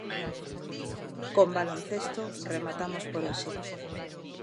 Con baloncesto rematamos por hoxe.